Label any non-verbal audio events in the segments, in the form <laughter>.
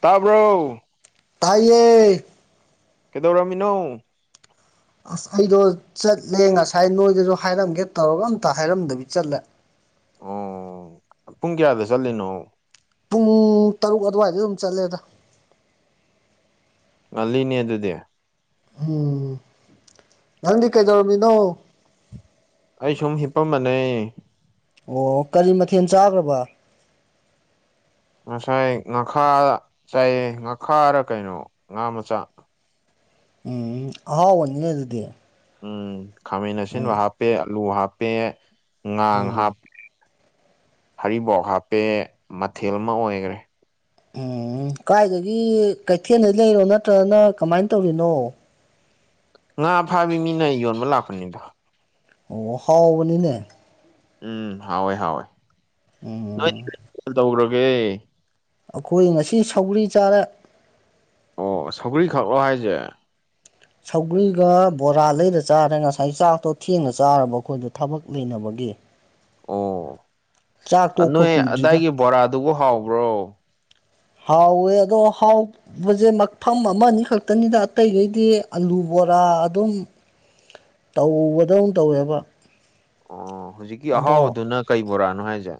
ꯇꯥꯕ꯭ꯔꯣ ꯇꯥꯏꯌꯦ ꯀꯩꯗꯧꯔꯝꯃꯤꯅꯣ ꯑꯁ ꯑꯩꯗꯣ ꯆꯠꯂꯦ ꯉꯁꯥꯏ ꯅꯣꯏꯗꯖꯨ ꯍꯥꯏꯔꯝꯒꯦ ꯇꯧꯔꯒ ꯑꯝꯇ ꯍꯥꯏꯔꯝꯗꯕꯤ ꯆꯠꯂꯦ ꯑꯣ ꯄꯨꯡ ꯀꯌꯥꯗ ꯆꯠꯂꯤꯅꯣ ꯄꯨꯡ ꯇꯔꯨꯛ ꯑꯗꯨꯋꯥꯏꯗ ꯑꯗꯨꯝ ꯆꯠꯂꯦꯗ ꯉꯜꯂꯤꯅꯦ ꯑꯗꯨꯗꯤ ꯎꯝ ꯅꯪꯗꯤ ꯀꯩꯗꯧꯔꯝꯃꯤꯅꯣ ꯑꯩ ꯁꯨꯝ ꯍꯤꯞꯄꯝꯕꯅꯦ ꯑꯣ ꯀꯔꯤ ꯃꯊꯦꯜ ꯆꯥꯒ꯭ꯔꯕ ꯉꯁꯥꯏ ꯉꯥꯈꯥ ꯆꯥꯏꯌꯦ ꯉꯥꯈꯥꯔ ꯀꯩꯅꯣ ꯉꯥ ꯃꯆꯥ ꯎꯝ ꯑꯍꯥꯎꯕꯅꯤꯅꯦ ꯑꯗꯨꯗꯤ ꯎꯝ ꯈꯥꯃꯦꯟ ꯎꯝ ꯑꯁꯤꯟꯕ ꯍꯥꯞꯄꯦ ꯑꯂꯨ ꯍꯥꯞꯄꯦ ꯉꯥꯡ ꯎꯝ ꯍꯥꯞ ꯍꯔꯤꯕꯣꯞ ꯍꯥꯞꯄꯦ ꯃꯊꯦꯜ ꯑꯃ ꯑꯣꯏꯒꯔꯦ ꯎꯝ ꯀꯥꯏꯗꯒꯤ ꯀꯩꯊꯦꯜꯗ ꯂꯩꯔꯣ ꯅꯠꯇ꯭ꯔꯒꯅ ꯀꯃꯥꯏ ꯇꯧꯔꯤꯅꯣ ꯉꯥ ꯐꯥꯕꯤ ꯃꯤꯅ ꯌꯣꯟꯕ ꯂꯥꯛꯄꯅꯤꯕ ꯑꯣ ꯍꯥꯎꯕꯅꯤꯅꯦ ꯎꯝ ꯍꯥꯎꯋꯦ ꯍꯥꯎꯋꯦ ꯎꯝ ꯀꯗꯧꯔꯒꯦ ꯑꯩꯈꯣꯏ ꯉꯁꯤ ꯁꯧꯒ꯭ꯔꯤ ꯆꯥꯔꯦ ꯑꯣ ꯁꯧꯒ꯭ꯔꯤ ꯈꯛꯂꯣ ꯍꯥꯏꯁꯦ ꯁꯧꯒ꯭ꯔꯤꯒ ꯕꯣꯔꯥ ꯂꯩꯔ ꯆꯥꯔꯦ ꯉꯁꯥꯏ ꯆꯥꯛꯇꯣ ꯊꯦꯡꯅ ꯆꯥꯔꯕ ꯑꯩꯈꯣꯏꯗꯣ ꯊꯕꯛ ꯂꯩꯅꯕꯒꯤ ꯆꯥꯛ ꯑꯣ ꯇꯣꯛꯄ ꯅꯣꯏ ꯀꯨꯏꯗ꯭ꯔꯤꯗ ꯑꯗꯥꯏꯒꯤ ꯕꯣꯔꯥꯗꯨꯕꯨ ꯍꯥꯎꯕ꯭ꯔꯣ ꯍꯥꯎꯋꯦ ꯑꯗꯣ ꯍꯥꯎ <unintelligible> ꯃꯐꯝ ꯑꯃ ꯑꯅꯤ ꯈꯛꯇꯅꯤꯗ ꯑꯇꯩꯒꯩꯗꯤ ꯑꯂꯨ ꯕꯣꯔꯥ ꯑꯗꯨꯝ ꯇꯧꯕꯗꯧꯅ ꯇꯧꯋꯦꯕ ꯑꯣ ꯍꯧꯖꯤꯛꯀꯤ ꯑꯗꯣ ꯑꯍꯥꯎꯕꯗꯨꯅ ꯀꯩ ꯕꯣꯔꯥꯅꯣ ꯍꯥꯏꯖꯦ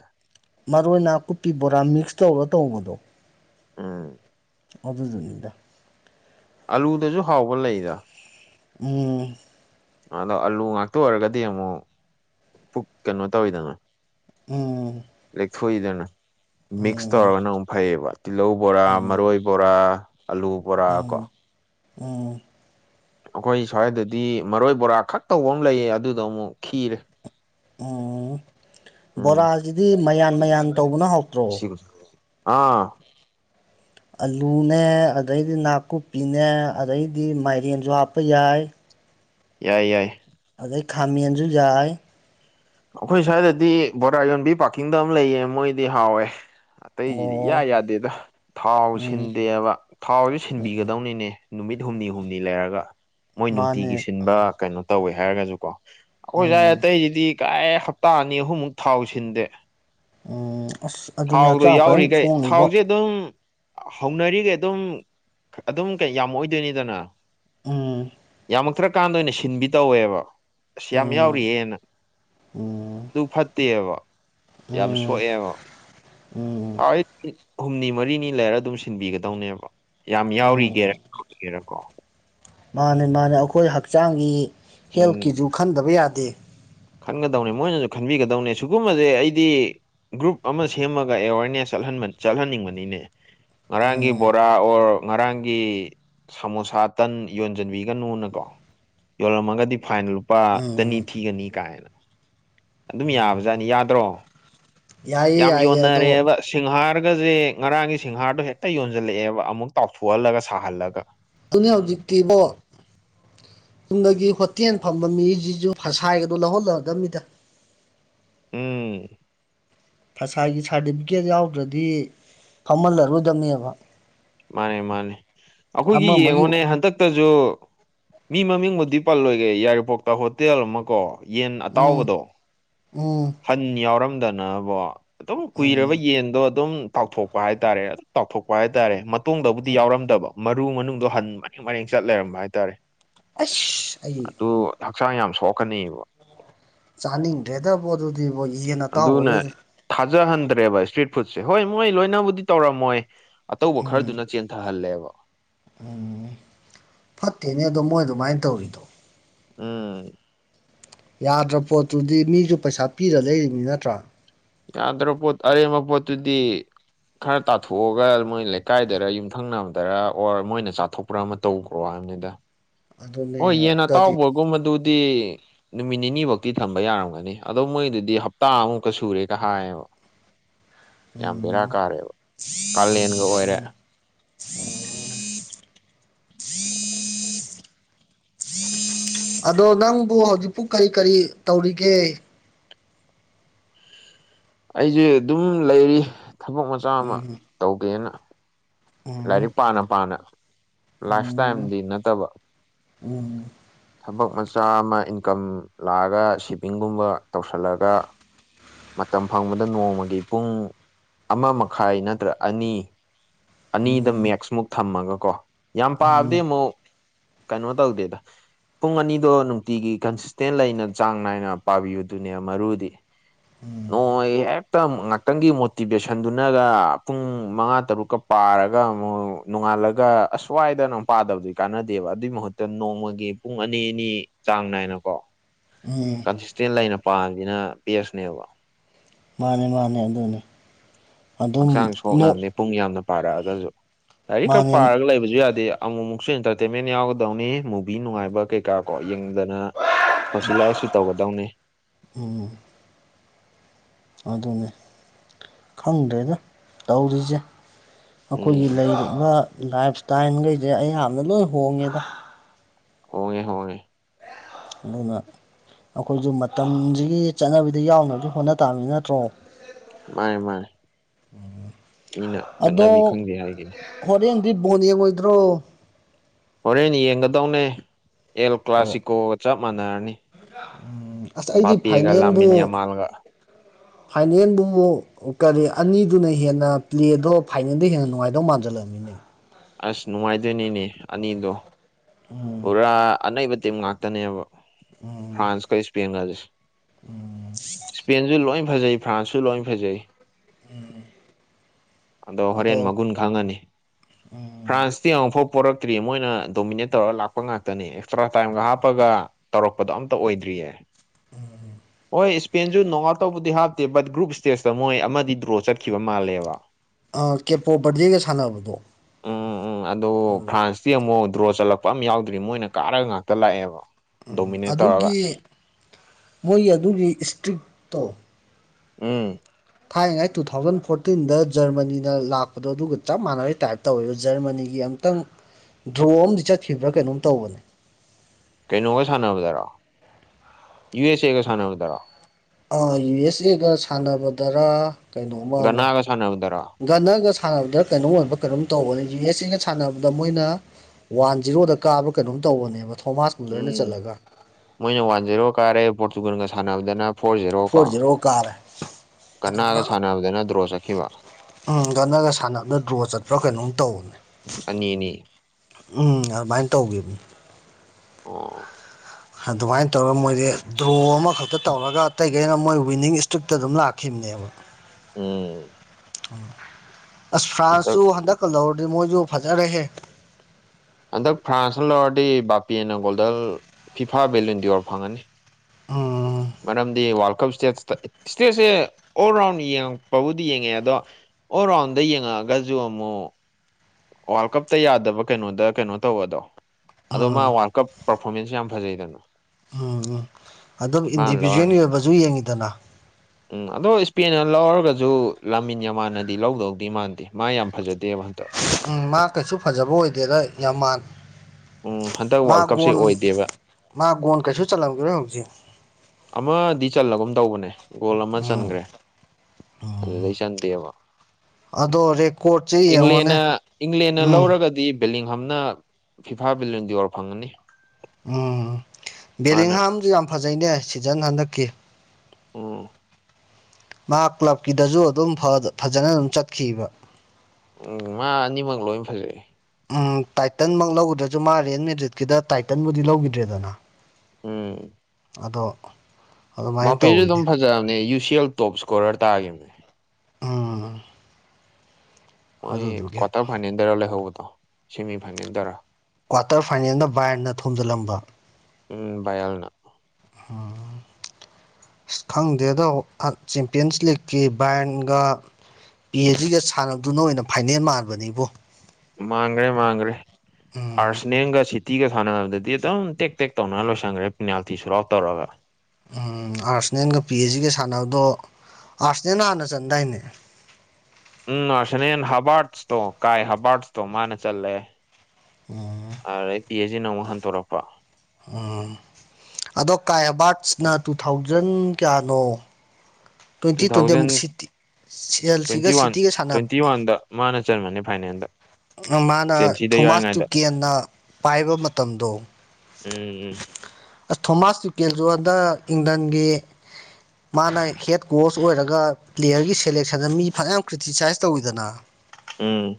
ꯃꯔꯣꯏ ꯅꯥꯀꯨꯞꯄꯤ ꯕꯣꯔꯥ ꯃꯤꯛꯁ ꯇꯧꯔ ꯇꯧꯕꯗꯣ ꯎꯝ ꯑꯗꯨꯗꯨꯅꯤꯗ ꯑꯂꯨꯗꯁꯨ ꯍꯥꯎꯕ ꯂꯩꯗ ꯎꯝ ꯑꯗꯣ ꯑꯂꯨ ꯉꯥꯛꯇ ꯑꯣꯏꯔꯒꯗꯤ ꯑꯃꯨꯛ ꯄꯨꯛ ꯀꯩꯅꯣ ꯇꯧꯋꯤꯗꯅ ꯎꯝ ꯂꯦꯛꯊꯣꯛꯏꯗꯅ ꯃꯤꯛꯁ ꯎꯝ ꯇꯧꯔꯒꯅ ꯑꯃꯨꯛ ꯐꯩꯌꯦꯕ ꯇꯤꯜꯍꯧ ꯕꯣꯔꯥ ꯃꯔꯣꯏ ꯕꯣꯔꯥ ꯑꯂꯨ ꯕꯣꯔꯥ ꯎꯝ ꯀꯣ ꯎꯝ ꯑꯩꯈꯣꯏ ꯁ꯭ꯋꯥꯏꯗꯗꯤ ꯃꯔꯣꯏ ꯕꯣꯔꯥ ꯈꯛ ꯇꯧꯕ ꯑꯃ ꯂꯩꯌꯦ ꯑꯗꯨꯗꯣ ꯑꯃꯨꯛ ꯈꯤꯔꯦ ꯎꯝ ꯎꯝ ꯕꯣꯔꯥꯁꯤꯗꯤ ꯃꯌꯥꯟ ꯃꯌꯥꯟ ꯇꯧꯕꯅ ꯍꯥꯎꯇ꯭ꯔꯣ ꯁꯤꯒ ꯑꯥ ꯑꯂꯨꯅꯦ ꯑꯗꯩꯗꯤ ꯅꯥꯀꯨꯞꯄꯤꯅꯦ ꯑꯗꯩꯗꯤ ꯃꯥꯏꯔꯦꯟꯁꯨ ꯍꯥꯞꯄ ꯌꯥꯏ ꯌꯥꯏ ꯌꯥꯏ ꯑꯗꯩ ꯈꯥꯃꯦꯟꯁꯨ ꯌꯥꯏ ꯑꯩꯈꯣꯏ ꯁ꯭ꯋꯥꯏꯗꯗꯤ ꯕꯣꯔꯥ ꯌꯣꯟꯕꯤ ꯄꯥꯔꯀꯤꯡꯗ ꯑꯃ ꯂꯩꯌꯦ ꯃꯣꯏꯗꯤ ꯍꯥꯎꯋꯦ ꯑꯇꯩꯁꯤꯗꯤ ꯏꯌꯥ ꯑꯣ ꯌꯥꯗꯦꯗ ꯊꯥꯎ ꯎꯝ ꯁꯤꯟꯗꯦꯕ ꯊꯥꯎꯁꯤ ꯁꯤꯟꯕꯤꯒꯗꯧꯅꯤꯅꯦ ꯅꯨꯃꯤꯠ ꯍꯨꯝꯅꯤ ꯍꯨꯝꯅꯤ ꯂꯩꯔꯒ ꯃꯣꯏ ꯅꯨꯡꯇꯤꯒꯤ ꯃꯥꯅꯦ ꯁꯤꯟꯕ ꯀꯩꯅꯣ ꯇꯧꯋꯦ ꯍꯥꯏꯔꯒꯁꯨ ꯀꯣ ꯑꯩꯈꯣꯏꯁꯥꯏ ꯎꯝ ꯑꯇꯩꯖꯤꯗꯤ ꯀꯥꯏ ꯍꯞꯇꯥ ꯑꯅꯤ ꯑꯍꯨꯝꯃꯨꯛ ꯊꯥꯎ ꯁꯤꯟꯗꯦ ꯎꯝ ꯑꯁ ꯑꯗꯨꯗꯤ ꯊꯥꯎꯗꯣ ꯍꯛꯆꯥꯡ ꯐꯖꯅ ꯌꯥꯎꯔꯤꯒꯩ ꯁꯣꯛꯅꯤꯕꯣ ꯊꯥꯎꯁꯦ ꯑꯗꯨꯝ ꯍꯧꯅꯔꯤꯒꯩ ꯑꯗꯨꯝ ꯑꯗꯨꯝ ꯌꯥꯝꯃꯛꯑꯣꯏꯗꯣꯏꯅꯤꯗꯅ ꯎꯝ ꯌꯥꯝꯃꯛꯇ꯭ꯔꯀꯥꯟꯗ ꯑꯣꯏꯅ ꯁꯤꯟꯕꯤ ꯇꯧꯋꯦꯕ ꯑꯁ ꯌꯥꯝ ꯎꯝ ꯌꯥꯎꯔꯤꯑꯦꯅ ꯎꯝ ꯑꯗꯨ ꯐꯠꯇꯦꯕ ꯌꯥꯝ ꯎꯝ ꯁꯣꯛꯑꯦꯕ ꯎꯝ <unintelligible> ꯍꯨꯝꯅꯤ ꯃꯔꯤꯅꯤ ꯂꯩꯔ ꯑꯗꯨꯝ ꯁꯤꯟꯕꯤꯒꯗꯧꯅꯦꯕ ꯌꯥꯝ ꯌꯥꯎꯔꯤꯒꯦꯔ ꯎꯝ <unintelligible> ꯀꯣ ꯃꯥꯅꯦ ꯃꯥꯅꯦ ꯑꯩꯈꯣꯏ ꯍꯛꯆꯥꯡꯒꯤ ꯎꯝ ꯍꯦꯜꯇꯀꯤꯁꯨ ꯈꯟꯗꯕ ꯌꯥꯗꯦ ꯈꯟꯒꯗꯧꯅꯦ ꯃꯣꯏꯅꯁꯨ ꯈꯟꯕꯤꯒꯗꯧꯅꯦ ꯁꯤꯒꯨꯝꯕꯁꯦ ꯑꯩꯗꯤ ꯒ꯭ꯔꯨꯞ ꯑꯃ ꯁꯦꯝꯃꯒ ꯑꯦꯋꯥꯔꯅꯦꯁꯟ ꯆꯠꯍꯟ ꯆꯠꯍꯟꯅꯤꯡꯕꯅꯤꯅꯦ ꯉꯔꯥꯡꯒꯤ ꯎꯝ ꯕꯣꯔꯥ ꯑꯣꯔ ꯉꯔꯥꯡꯒꯤ ꯁꯃꯣꯁꯥ ꯇꯟ ꯌꯣꯟꯖꯟꯕꯤꯒꯅꯨꯅꯀꯣ ꯌꯣꯜꯂꯝꯃꯒꯗꯤ ꯐꯥꯏꯟ ꯂꯨꯄꯥ ꯆꯅꯤ ꯎꯝ ꯊꯤꯒꯅꯤ ꯀꯥꯏꯅ ꯑꯗꯨꯝ ꯌꯥꯕꯖꯥꯠꯅꯤ ꯌꯥꯗ꯭ꯔꯣ ꯌꯥꯏꯌꯦ ꯌꯥꯝ ꯌꯥꯏꯌꯦ ꯑꯗꯣ ꯌꯣꯟꯅꯔꯦꯕ ꯁꯤꯡꯍꯥꯔꯒꯁꯦ ꯉꯔꯥꯡꯒꯤ ꯁꯤꯡꯍꯥꯔꯗ ꯍꯦꯛꯇ ꯌꯣꯟꯁꯤꯜꯂꯛꯑꯦꯕ ꯑꯃꯨꯛ ꯇꯥꯎꯊꯣꯛꯍꯜꯂꯒ ꯁꯥꯍꯜꯂꯒ ꯑꯅ ꯍꯧꯖꯤꯛꯇꯤ ꯢꯕꯣ ꯆꯨꯝꯅꯒꯤ ꯍꯣꯇꯦꯜ ꯐꯪꯝꯕ ꯃꯤꯁꯤꯁꯨ ꯐꯁꯥꯏꯒꯗꯣ ꯂꯧꯍꯜꯂꯛꯑꯗꯕꯅꯤꯗ ꯎꯝ ꯐꯁꯥꯏꯒꯤ ꯁꯥꯔꯇꯤꯐꯤꯀꯦꯠ ꯌꯥꯎꯗ꯭ꯔꯗꯤ ꯐꯝꯍꯜꯂꯔꯣꯏꯗꯕꯅꯦꯕ ꯃꯥꯅꯦ ꯃꯥꯅꯦ ꯑꯩꯈꯣꯏꯒꯤ ꯑꯃ ꯑꯃꯒꯤ ꯌꯦꯡꯉꯣꯅꯦ ꯍꯟꯗꯛ ꯍꯛꯇꯖꯨ ꯃꯤ ꯃꯃꯤꯡꯕꯨꯗꯤ ꯄꯜꯂꯣꯏꯒꯦ ꯌꯥꯏꯔꯤꯄꯣꯛꯇ ꯍꯣꯇꯦꯜ ꯑꯃ ꯀꯣ ꯌꯦꯟ ꯎꯝ ꯑꯇꯥꯎꯕꯗꯣ ꯎꯝ ꯍꯟ ꯌꯥꯎꯔꯝꯗꯅꯕꯣ ꯑꯗꯨꯝ ꯀꯨꯏꯔꯕꯩ ꯎꯝ ꯌꯦꯟꯗꯣ ꯑꯗꯨꯝ ꯇꯥꯎꯊꯣꯛꯄ ꯍꯥꯏꯇꯥꯔꯦ ꯇꯥꯎꯊꯣꯛꯄ ꯍꯥꯏꯇꯥꯔꯦ ꯃꯇꯨꯡꯗꯕꯨꯗꯤ ꯌꯥꯎꯔꯝꯗꯕ ꯃꯔꯨ ꯃꯅꯨꯡꯗꯣ ꯍꯟ ꯃꯔꯦꯡ ꯃꯔꯦꯡ ꯆꯠ ꯂꯩꯔꯝꯕ ꯍꯥꯏꯇꯥꯔꯦ ꯑꯁ ꯑꯩ ꯑꯗꯨ ꯍꯛꯆꯥꯡ ꯌꯥꯝ ꯁꯣꯛꯀꯅꯤꯕ ꯆꯥꯅꯤꯡꯗ꯭ꯔꯦꯗꯕꯣ ꯑꯗꯨꯗꯤ ꯕꯣ ꯌꯦꯟ ꯑꯗꯨꯅ ꯑꯇꯥꯎꯕꯒꯁꯦ ꯊꯥꯖꯍꯟꯗ꯭ꯔꯦꯕ ꯏꯁꯇ꯭ꯔꯤꯠ ꯐꯨꯗꯁꯦ ꯍꯣꯏ ꯃꯣꯏ ꯂꯣꯏꯅꯕꯨꯗꯤ ꯇꯧꯔꯝꯃꯣꯏ ꯑꯇꯧꯕ ꯈꯔꯗꯨꯅ ꯆꯦꯟꯊꯍꯜꯂꯦꯕ ꯎꯝ ꯐꯠꯇꯦꯅꯦ ꯑꯗꯣ ꯃꯣꯏ ꯑꯗꯨꯃꯥꯏꯅ ꯇꯧꯔꯤꯗꯣ ꯎꯝ ꯌꯥꯗ꯭ꯔ ꯄꯣꯠꯇꯨꯗꯤ ꯃꯤꯁꯨ ꯄꯩꯁꯥ ꯄꯤꯔ ꯂꯩꯔꯤꯅꯤ ꯅꯠꯇ꯭ꯔꯥ ꯌꯥꯗ꯭ꯔꯕ ꯄꯣꯠ ꯑꯔꯦꯝꯕ ꯄꯣꯠꯇꯨꯗꯤ ꯈꯔ ꯇꯥꯊꯣꯛꯑꯒ ꯃꯣꯏ ꯂꯩꯀꯥꯏꯗꯔ ꯌꯨꯝꯊꯪꯅꯕꯗꯔ ꯑꯣꯔ ꯃꯣꯏꯅ ꯆꯥꯊꯣꯛ ꯄꯨꯔꯥ ꯑꯃ ꯇꯧꯈ꯭ꯔꯣ ꯍꯥꯏꯕꯅꯤꯗ ꯑꯗꯨꯅꯦ ꯍꯣꯏ ꯌꯦꯟ ꯀꯔꯤ ꯑꯇꯥꯎꯕꯒꯨꯝꯕꯗꯨꯗꯤ ꯅꯨꯃꯤꯠ ꯅꯤꯅꯤ ꯐꯧꯛꯇꯤ ꯊꯝꯕ ꯌꯥꯔꯝꯒꯅꯤ ꯑꯗꯣ ꯃꯣꯏꯗꯨꯗꯤ ꯍꯞꯇꯥꯃꯨꯛꯀ ꯁꯨꯔꯦꯒ ꯍꯥꯏꯌꯦꯕ <inaudible> ꯌꯥꯝ ꯕꯦꯔꯥ ꯎꯝ ꯀꯥꯔꯦꯕ ꯀꯥꯂꯦꯟꯒ ꯑꯣꯏꯔꯦ ꯑꯗꯣ ꯅꯪꯕꯨ ꯍꯧꯖꯤꯛꯄꯨ ꯀꯔꯤ ꯀꯔꯤ ꯇꯧꯔꯤꯒꯦ ꯑꯩꯁꯦ ꯑꯗꯨꯝ ꯂꯩꯔꯤ ꯊꯕꯛ ꯃꯆꯥ ꯑꯃ ꯎꯝ ꯇꯧꯒꯦꯅ ꯎꯝ ꯂꯥꯏꯔꯤꯛ ꯄꯥꯅ ꯄꯥꯅ ꯂꯥꯏꯐ ꯎꯝ ꯇꯥꯏꯝꯗꯤ ꯅꯠꯇꯕ ꯎꯝ ꯊꯕꯛ ꯃꯆꯥ ꯑꯃ ꯏꯟꯀꯝ ꯂꯥꯛꯑꯒ ꯁꯦꯚꯤꯡꯒꯨꯝꯕ ꯇꯧꯁꯤꯜꯂꯒ ꯃꯇꯝ ꯐꯪꯕꯗ ꯅꯣꯡꯃꯒꯤ ꯄꯨꯡ ꯑꯃ ꯃꯈꯥꯏ ꯅꯠꯇ꯭ꯔ ꯑꯅꯤ ꯑꯅꯤꯗ ꯎꯝ ꯃꯦꯛꯁꯃꯨꯛ ꯊꯝꯃꯒꯀꯣ ꯌꯥꯝ ꯄꯥꯕꯗꯤ ꯎꯝ ꯑꯃꯨꯛ ꯀꯩꯅꯣ ꯇꯧꯗꯦꯗ ꯄꯨꯡ ꯑꯅꯤꯗꯣ ꯅꯨꯡꯇꯤꯒꯤ ꯀꯟꯁꯤꯁꯇꯦꯟ ꯂꯩꯅ ꯆꯥꯡ ꯅꯥꯏꯅ ꯄꯥꯕꯤꯕꯨꯗꯨꯅꯦ ꯃꯔꯨꯗꯤ ꯅꯣꯏ ꯍꯦꯛꯇ ꯉꯥꯛꯇꯪꯒꯤ ꯃꯣꯇꯤꯚꯦꯁꯟꯗꯨꯅꯒ ꯄꯨꯡ ꯃꯉꯥ ꯇꯔꯨꯛꯀ ꯄꯥꯔꯒ ꯑꯃꯨꯛ ꯅꯣꯡꯉꯥꯜꯂꯒ ꯑꯁ꯭ꯋꯥꯏꯗꯅ ꯑꯃꯨꯛ ꯄꯥꯗꯕꯗꯨꯗꯤ ꯀꯥꯟꯅꯗꯦꯕ ꯑꯗꯨꯏ ꯃꯍꯨꯠꯇ ꯅꯣꯡꯃꯒꯤ ꯄꯨꯡ ꯑꯅꯤ ꯑꯅꯤ ꯆꯥꯡ ꯅꯥꯏꯅꯀꯣ <unintelligible> ꯀꯟꯁꯤꯁꯇꯦꯟ ꯂꯩꯅ ꯄꯥꯝꯃꯤꯁꯤꯅ ꯄꯦꯁꯅꯦꯕ ꯃꯥꯅꯦ ꯃꯥꯅꯦ ꯑꯗꯨꯅꯦ ꯑꯗꯨꯝ ꯍꯛꯆꯥꯡ ꯅꯣꯛ ꯁꯣꯛꯅꯕꯅꯦ ꯄꯨꯡ ꯌꯥꯝꯅ ꯄꯥꯔꯛꯑꯒꯁꯨ ꯂꯥꯏꯔꯤꯛ ꯈꯛ ꯃꯥꯅꯦ ꯄꯥꯔꯒ ꯂꯩꯕꯁꯨ ꯌꯥꯗꯦ ꯑꯃꯨꯛ ꯑꯃꯨꯛꯁꯨ ꯑꯦꯟꯇꯔꯇꯦꯟꯃꯦꯟ ꯌꯥꯎꯒꯗꯧꯅꯤ ꯃꯨꯚꯤ ꯅꯨꯡꯉꯥꯏꯕ ꯀꯩꯀꯥ ꯀꯣ ꯌꯦꯡꯗꯅ ꯃꯁꯤꯂꯥꯏꯁꯁꯨ ꯇꯧꯒꯗꯧꯅꯤ ꯎꯝ ꯑꯗꯨꯅꯤ ꯈꯪꯗ꯭ꯔꯦꯗ ꯇꯧꯔꯤꯁꯦ ꯑꯩꯈꯣꯏꯒꯤ ꯎꯝ ꯂꯩꯔꯤꯕ ꯂꯥꯏꯞ ꯏꯁꯇꯥꯏꯜꯈꯩꯁꯦ ꯑꯌꯥꯝꯕꯅ ꯂꯣꯏ ꯍꯣꯡꯉꯦꯗ ꯍꯣꯡꯋꯦ ꯍꯣꯡꯋꯦ ꯃꯉ ꯑꯩꯈꯣꯏꯁꯨ ꯃꯇꯝꯁꯤꯒꯤ ꯆꯠꯅꯕꯤꯗ ꯌꯥꯎꯅꯕꯁꯨ ꯍꯣꯠꯅ ꯇꯥꯕꯅꯤ ꯅꯠꯇ꯭ꯔꯣ ꯃꯥꯅꯦ ꯃꯥꯥꯏ ꯃꯤꯅ ꯑꯗꯣ ꯆꯠꯅꯕꯤ ꯈꯪꯗꯦ ꯍꯥꯏꯒꯅꯤ ꯍꯣꯔꯦꯟꯗꯤ ꯕꯣꯟ ꯌꯦꯡꯉꯣꯏꯗ꯭ꯔꯣ ꯍꯣꯔꯦꯟ ꯌꯦꯡꯒꯗꯧꯅꯦ ꯑꯦꯜ ꯑꯣ ꯀ꯭ꯂꯥꯁꯤꯀꯣꯒ ꯆꯞ ꯃꯥꯟꯅꯔꯅꯤ ꯑꯁ ꯑꯩꯗꯤ ꯕꯥꯄꯤꯦꯒ ꯂꯃꯤꯟ ꯌꯥꯃꯥꯜꯒꯥ ꯍꯥꯏꯥꯏꯅꯦꯟꯕꯨꯨꯝꯕꯣ ꯑꯣ ꯀꯔꯤ ꯑꯅꯤꯗꯨꯅ ꯍꯦꯟꯅ ꯄ꯭ꯂꯦꯗꯣ ꯐꯥꯏꯅꯦꯜꯗ ꯍꯦꯟꯅ ꯅꯨꯡꯉꯥꯏꯗꯧ ꯃꯥꯟꯖꯜꯂꯛꯃꯤꯅꯦ ꯑꯁ ꯅꯨꯡꯉꯥꯏꯗꯣꯏꯅꯤꯅꯦ ꯑꯅꯤꯗꯣ ꯎꯝ ꯄꯨꯔꯥ ꯑꯅꯩꯕ ꯇꯤꯝ ꯉꯥꯛꯇꯅꯦꯕ ꯎꯝ ꯐ꯭ꯔꯥꯟꯁꯀ ꯏꯁꯄꯦꯟꯒꯁꯨ ꯏꯁꯄꯦꯟꯁꯨ ꯂꯣꯏ ꯐꯖꯩ ꯐ꯭ꯔꯥꯟꯁꯁꯨ ꯂꯣꯏ ꯐꯖꯩ ꯎꯝ ꯑꯗꯣ ꯍꯣꯔꯦꯟ ꯃꯒꯨꯟ ꯈꯪꯉꯅꯤ ꯎꯝ ꯐ꯭ꯔꯥꯟꯁ ꯏꯁꯇꯦꯡ ꯑꯃꯐꯥꯎ ꯄꯣꯔꯛꯇ꯭ꯔꯤ ꯃꯣꯏꯅ ꯗꯣꯃꯤꯅꯦꯠ ꯇꯧꯔꯒ ꯂꯥꯛꯄ ꯉꯥꯛꯇꯅꯦ ꯑꯦꯛꯁꯇ꯭ꯔꯥ ꯇꯥꯏꯝꯒ ꯍꯥꯞꯄꯒ ꯇꯧꯔꯛꯄꯗꯣ ꯑꯝꯇ ꯑꯣꯏꯗ꯭ꯔꯤꯌꯦ ꯎꯝ ꯍꯣꯏ ꯁ꯭ꯄꯦꯟꯁꯨ ꯅꯣꯛ ꯑꯥꯎꯠ ꯇꯧꯕꯗꯤ ꯍꯥꯞꯇꯦ ꯕꯠ ꯒ꯭ꯔꯨꯞ ꯏꯁ꯭ꯇꯦꯖꯇ ꯃꯣꯏ ꯑꯃꯗꯤ ꯗ꯭ꯔꯣ ꯆꯠꯈꯤꯕ ꯃꯥꯜꯂꯦꯕ ꯀꯦꯄꯣ ꯕꯔꯗꯦꯒ ꯁꯥꯟꯅꯕꯗꯣ ꯎꯝ ꯎꯝ ꯑꯗꯣ ꯐ꯭ꯔꯥꯟꯁꯇꯤ ꯑꯃꯨꯛ ꯗ꯭ꯔꯣ ꯆꯠꯂꯛꯄ ꯑꯝ ꯌꯥꯎꯗ꯭ꯔꯤ ꯃꯣꯏꯅ ꯀꯥꯔꯒ ꯉꯥꯛꯇ ꯂꯥꯛꯑꯦꯕ ꯗꯣꯃꯤꯅꯦꯠ ꯇꯧꯔꯒ ꯃ ꯌꯥꯗꯨ ꯏꯁꯇ꯭ꯔꯤꯛ ꯇꯣ ꯎꯝ ꯊꯥꯏꯅꯉꯩ ꯇꯨ ꯊꯥꯎꯖꯟ ꯐꯣꯔꯇꯤꯟꯗ ꯖꯔꯃꯅꯤꯅ ꯂꯥꯛꯄꯗꯣ ꯑꯗꯨꯒ ꯆꯞ ꯃꯥꯟꯅ ꯔꯤ ꯇꯥꯏꯞ ꯇꯧꯋꯦꯕ ꯖꯔꯃꯅꯤꯒꯤ ꯌꯥꯝ ꯈꯤꯇꯪ ꯗ꯭ꯔꯣ ꯑꯃꯗꯤ ꯆꯠꯈꯤꯕ꯭ꯔꯥ ꯀꯩꯅꯣꯝ ꯇꯧꯕꯅꯤ ꯀꯩꯅꯣꯒ ꯁꯥꯟꯅꯕꯗꯔꯥ ꯌꯨ ꯑꯦꯁ ꯑꯦꯒ ꯁꯥꯟꯅꯕꯗꯔ ꯑ ꯌꯨ ꯑꯦꯁ ꯑꯦꯒ ꯁꯥꯟꯅꯕꯗꯔꯥ ꯀꯩꯅꯣꯝꯃ ꯑꯃ ꯒꯅꯥꯒ ꯁꯥꯟꯅꯕꯗꯔꯣ ꯒꯟꯅꯒ ꯁꯥꯟꯅꯕꯗ ꯀꯩꯅꯣꯝ ꯑꯣꯏꯕ ꯀꯩꯅꯣꯝ ꯇꯧꯕꯅꯤ ꯌꯨ ꯑꯦꯁ ꯁꯤꯒ ꯁꯥꯟꯅꯕꯗ ꯃꯣꯏꯅ ꯋꯥꯟ ꯖꯤꯔꯣꯗ ꯀꯥꯕ꯭ꯔꯥ ꯀꯩꯅꯣꯝ ꯇꯧꯕꯅꯦꯕ ꯊꯣꯃꯥꯁ ꯃꯨꯂꯔꯅ ꯎꯝ ꯆꯠꯂꯒ ꯃꯣꯏꯅ ꯋꯥꯟ ꯖꯦꯔꯣ ꯀꯥꯔꯦ ꯄꯣꯔꯇꯨꯒꯜꯒ ꯁꯥꯟꯅꯕꯗꯅ ꯐꯣꯔ ꯐꯣꯔꯖꯤꯔꯣ ꯑꯣ ꯀꯥ ꯀꯅꯥꯒ ꯁꯥꯟꯅꯕꯗ ꯗ꯭ꯔꯣ ꯆꯠꯈꯤꯕ ꯎꯝ ꯉꯟꯅꯒ ꯁꯥꯟꯅꯕꯅ ꯗ꯭ꯔꯣ ꯆꯠꯄ꯭ꯔꯥ ꯀꯩꯅꯣꯝ ꯇꯧꯕꯅꯦ ꯅꯤꯅꯤ ꯎꯝ ꯑꯗꯨꯃꯥꯏꯅ ꯇꯧꯒꯤꯝ ꯑꯣ ꯑꯗꯨꯃꯥꯏꯅ ꯇꯧꯔꯒ ꯃꯣꯏꯗꯤ ꯗ꯭ꯔꯣ ꯑꯃꯈꯛꯇ ꯇꯧꯔꯒ ꯑꯇꯩꯈꯩꯅ ꯃꯣꯏ ꯋꯤꯅꯤꯡ ꯏꯁꯇ꯭ꯔꯤꯛꯇ ꯑꯗꯨꯝ ꯂꯥꯛꯄ ꯈꯈꯤꯝꯅꯦ ꯑꯃ ꯎꯝ ꯑꯣ ꯑꯁ ꯍꯟꯗꯛ ꯐ꯭ꯔꯥꯟꯁꯨ ꯍꯟꯗꯛꯀ ꯂꯧꯔꯗꯤ ꯃꯣꯏꯁꯨ ꯐꯖꯔꯦꯍꯦ ꯍꯟꯗꯛ ꯐ꯭ꯔꯥꯟꯁꯅ ꯂꯧꯔꯗꯤ ꯕꯥꯄꯤꯅ ꯒꯣꯜꯗꯜ ꯐꯤꯐꯥ ꯕꯦꯂꯨꯟꯗꯤꯌꯔ ꯐꯪꯉꯅꯤ ꯑꯥ ꯃꯔꯝꯗꯤ ꯋꯥꯔꯜ ꯀꯞ ꯏꯁꯇꯦꯠꯇ ꯏꯁꯇꯦꯠꯁꯦ ꯑꯣꯜ ꯔꯥꯎꯟ ꯌꯦꯡꯉꯛꯄꯕꯨꯗꯤ ꯌꯦꯡꯉꯛꯑꯦ ꯑꯗꯣ ꯑꯣ ꯔꯥꯎꯟꯗ ꯌꯦꯡꯉꯛꯑꯒꯖꯨ ꯑꯃꯃꯨ ꯋꯥꯔꯜ ꯀꯞꯇ ꯌꯥꯗꯕ ꯀꯩꯅꯣꯗ ꯀꯩꯅꯣ ꯇꯧꯕꯗꯣ ꯑꯗꯣ ꯎꯝ ꯃꯥ ꯋꯥꯔꯜ ꯀꯞ ꯄꯔꯐꯣꯔꯃꯦꯟꯁꯁꯨ ꯌꯥꯝ ꯐꯖꯩꯗꯅ ꯑꯗꯨ ꯃꯥꯅ ꯏꯟꯗꯤꯕꯤꯖꯨꯋꯦꯜꯒꯤ ꯂꯧꯔꯅꯤ ꯑꯣꯏꯕꯁꯨ ꯌꯦꯡꯉꯤꯗꯅ ꯎꯝ ꯑꯗꯣ ꯏꯁꯄꯦꯟꯅ ꯂꯧꯔꯒꯁꯨ ꯂꯥꯃꯤꯟ ꯌꯥꯝꯃꯥꯟꯅꯗꯤ ꯂꯧꯗꯧꯗꯤ ꯃꯥꯟꯗꯦ ꯃꯥ ꯌꯥꯝ ꯐꯖꯗꯦ ꯋꯥꯟꯇ ꯎꯝ ꯃꯥ ꯀꯩꯁꯨ ꯐꯖꯕ ꯑꯣꯏꯗꯦꯗ ꯌꯥꯝ ꯃꯥꯟ ꯎꯝ ꯍꯟꯗꯛ ꯋꯥꯔꯜ ꯀꯞꯁꯦ ꯃꯥꯒꯣꯟ ꯑꯣꯏꯗꯦꯕ ꯃꯥꯒꯣꯟ ꯀꯩꯁꯨ ꯆꯜꯂꯝꯗ꯭ꯔꯣꯏ ꯍꯧꯖꯤꯛꯖꯤꯛ ꯑꯃꯗꯤ ꯆꯜꯂꯒꯨꯝ ꯇꯧꯕꯅꯦ ꯒꯣꯜ ꯑꯃ ꯎꯝ ꯆꯟꯈ꯭ꯔꯦ ꯑꯗꯨꯗꯩ ꯆꯟꯗꯦꯕ ꯑꯗꯣ ꯔꯦꯀꯣꯔꯠꯁꯦ ꯌꯦꯡꯉꯣꯅꯦ ꯏꯪꯂꯦꯟꯅ ꯢꯪ ꯏꯡꯂꯦꯟꯅ ꯎꯝ ꯂꯧꯔꯒꯗꯤ ꯕꯦꯂꯤꯡ ꯍꯝꯅ ꯐꯤꯐꯥ ꯕꯦꯂꯤꯟ ꯗꯤ ꯑꯣ ꯐꯪꯉꯅꯤ ꯎꯝ ꯕꯦꯂꯦꯡ ꯃꯥꯅ ꯍꯥꯥꯝꯁꯨ ꯌꯥꯝ ꯐꯖꯩꯅꯦ ꯁꯤꯖꯟ ꯍꯟꯗꯛꯀꯤ ꯑꯣ ꯃꯍꯥꯛ ꯀ꯭ꯂꯕꯀꯤꯗꯁꯨ ꯑꯗꯨꯝ ꯐꯖꯅ ꯑꯗꯨꯝ ꯆꯠꯈꯤꯕ ꯎꯝ ꯃꯥ ꯑꯅꯤꯃꯛ ꯂꯣꯏ ꯐꯖꯩ ꯎꯝ ꯇꯥꯏꯇꯟꯃꯛ ꯂꯧꯒꯗ꯭ꯔꯁꯨ ꯃꯥ ꯔꯦꯟ ꯃꯦꯗ꯭ꯔꯤꯠꯀꯤꯗ ꯇꯥꯏꯇꯟꯕꯨꯗꯤ ꯂꯧꯈꯤꯗ꯭ꯔꯦꯗꯅ ꯎꯝ ꯑꯗꯣ ꯑꯗꯨꯃꯥꯏꯅ ꯕꯥꯄꯤꯁꯨ ꯇꯧꯋꯤꯅꯦ ꯑꯗꯨꯝ ꯐꯖꯕꯅꯦ ꯌꯨ ꯁꯤ ꯑꯦꯜ ꯇꯣꯞ ꯏꯁꯀꯣꯔꯔ ꯇꯥꯈꯤꯕꯅꯦ ꯎꯝ ꯑꯣꯏ ꯑꯗꯨꯗꯨꯒꯤ ꯀꯇꯥ ꯐꯥꯏꯅꯦꯜꯗꯔꯥ ꯂ ꯍꯕ ꯇꯣ ꯁꯤꯦꯃꯤ ꯐꯥꯏꯅꯦꯜꯗꯔꯥ ꯀ꯭ꯋꯥꯇꯔ ꯐꯥꯏꯅꯦꯜꯗ ꯕꯥꯏꯅ ꯊꯣꯝꯖꯤꯜꯂꯝꯕ ꯎꯝ ꯌꯥꯜꯅ ꯑꯥ ꯑꯁ ꯈꯪꯗꯦ ꯑꯗꯣ ꯆꯦꯝꯄꯤꯌꯟꯁ ꯂꯤꯛꯀꯤ ꯕꯥꯏꯟꯒ ꯄꯤ ꯑꯦ ꯒ ꯁꯥꯟꯅꯕꯗꯨꯅ ꯑꯣꯏꯅ ꯐꯥꯏꯅꯜ ꯃꯥꯟꯕꯅꯦꯕꯣ ꯃꯥꯡꯒꯔꯦ ꯃꯥꯡꯒꯔꯦ ꯎꯝ ꯑꯥꯔꯁꯅꯦꯟꯒ ꯁꯤꯇꯤꯒ ꯁꯥꯟꯅꯅꯕꯗꯗꯤ ꯑꯗꯨꯝ ꯇꯦꯛ ꯇꯦꯛ ꯇꯧꯅ ꯂꯣꯏꯁꯟꯈ꯭ꯔꯦ ꯄꯤꯅꯥꯜꯇꯤ ꯁꯨꯠ ꯑꯥꯎꯠ ꯇꯧꯔꯒ ꯎ ꯑꯥꯔꯁꯅꯦꯜꯒ ꯄꯤ ꯑꯩꯆ ꯖꯤꯒ ꯁꯥꯟꯅꯕꯗꯣ ꯑꯥꯔꯁꯅꯦꯜ ꯍꯥꯟꯅ ꯆꯟꯗꯥꯏꯅꯦ ꯎꯝ ꯑꯁꯅꯦꯟ ꯍꯥꯕꯥꯔꯠꯁꯇꯣ ꯀꯥꯏ ꯍꯥꯕꯥꯔꯠꯁꯇꯣ ꯃꯥꯅ ꯆꯜꯂꯦ ꯑ ꯑꯩ ꯄꯤ ꯑꯩꯆ ꯅ ꯑꯃꯨꯛ ꯍꯟꯇꯣꯔꯛꯄ ꯎꯝ ꯑꯗꯣ ꯀꯥꯏꯑꯕꯥꯔꯠꯁꯅ ꯇꯨ ꯊꯥꯎꯖꯟ ꯀꯌꯥꯅꯣ two twenty twenty thousand city C L ꯁꯤꯒ ꯇ꯭ꯋꯦꯟꯇꯤ ꯋꯥꯟ ꯁꯤꯇꯤꯒ ꯁꯥꯟꯅꯕ ꯇ꯭ꯋꯦꯟꯇꯤ ꯋꯥꯟꯗ ꯃꯥꯅ ꯆꯟꯕꯅꯤ ꯐꯥꯏꯅꯦꯜꯗ ꯃꯥꯅ ꯆꯦꯜꯁꯤꯗ ꯊꯣꯃꯥꯁ ꯌꯥꯎꯔꯤꯉꯩꯗ ꯇꯨꯀꯦꯟꯅ ꯄꯥꯏꯕ ꯃꯇꯝꯗꯣ ꯎꯝ ꯎꯝ ꯑꯁ ꯊꯣꯃꯥꯁ ꯇꯤꯨꯀꯦꯜꯁꯨ ꯍꯟꯗꯛ ꯏꯪꯂꯪꯂꯟꯒꯤ ꯃꯥꯅ ꯍꯦꯠ ꯀꯣꯁ ꯑꯣꯏꯔꯒ ꯄ꯭ꯂꯦꯌꯔꯒꯤ ꯁꯦꯂꯦꯛꯁꯟꯗ ꯃꯤ ꯐꯅꯌꯥꯝ ꯀ꯭ꯔꯤꯇꯤꯁꯥꯏꯁ ꯇꯧꯋꯤꯗꯅ ꯎꯝ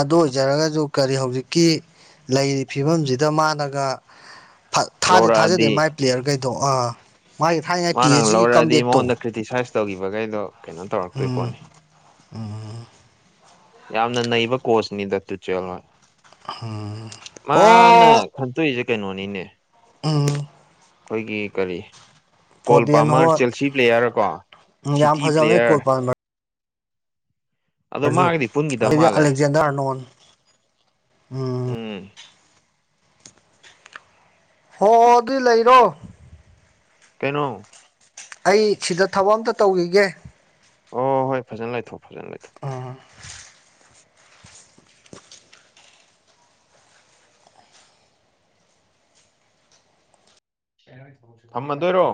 ꯑꯗꯨ ꯑꯣꯏꯖꯔꯒꯁꯨ ꯀꯔꯤ ꯍꯧꯖꯤꯛꯀꯤ ꯂꯩꯔꯤꯕ ꯐꯤꯕꯝꯁꯤꯗ ꯃꯥꯅꯒ ꯊꯥꯗꯤ ꯊꯥꯖꯗꯦ ꯂꯧꯔꯛꯑꯗꯤ ꯃꯥꯥꯏ ꯄ꯭ꯂꯦꯌꯔ ꯀꯩꯗꯣ ꯑꯥ ꯃꯥꯒꯤ ꯊꯥꯏꯅꯉ ꯄꯤ ꯃꯥꯅ ꯑꯦꯆ ꯖꯤꯒꯤ ꯂꯧꯔꯛꯑꯗꯤ ꯀꯝꯝꯕꯦꯛꯛꯇꯧ ꯃꯉꯣꯟꯗ ꯀ꯭ꯔꯤꯇꯤꯁꯥꯏꯁ ꯇꯧꯈꯤꯕꯈꯩꯗꯣ ꯀꯩꯅꯣ ꯇꯧꯔꯛꯇꯣꯏ ꯎꯝ ꯄꯣꯠꯅꯤ ꯌꯥꯝꯅ ꯅꯩꯕ ꯀꯣꯆꯅꯤꯗ ꯇꯨꯆꯦꯜꯅ ꯃꯥꯅ ꯑꯣ ꯈꯟꯇꯣꯛꯏꯁꯦ ꯀꯩꯅꯣꯅꯤꯅꯦ ꯎꯝ ꯑꯩꯈꯣꯏꯒꯤ ꯀꯔꯤ ꯀꯣꯜ ꯐꯣꯗꯦꯟ ꯄꯥꯝꯃꯔ ꯍꯣꯏ ꯆꯦꯜꯁꯤ ꯄ꯭ꯂꯦꯌꯥꯔꯀꯣ ꯎꯝ ꯌꯥꯝ ꯁꯤꯇꯤ ꯐꯖꯕꯅꯦ ꯄ꯭ꯂꯦꯌꯔ ꯀꯣꯜ ꯑꯗꯣ ꯃꯥꯒꯗꯤ ꯄꯨꯟꯈꯤꯗꯕ ꯑꯗꯨꯗꯤ ꯃꯥꯜꯂꯦ ꯑꯂꯦꯛꯖꯦꯟꯗꯔ ꯅꯣꯟ ꯎꯝ ꯍꯣꯏ ꯍꯣꯏ ꯑꯗꯨꯏ ꯂꯩꯔꯣ ꯀꯩꯅꯣ ꯑꯩ ꯁꯤꯗ ꯊꯕꯛ ꯑꯝꯇ ꯇꯧꯈꯤꯒꯦ ꯑꯣ ꯍꯣꯏ ꯐꯖꯅ ꯂꯩꯊꯣꯛ ꯐꯖꯅ ꯂꯩꯊꯣꯛ ꯊꯝꯃꯗꯣꯏꯔꯣ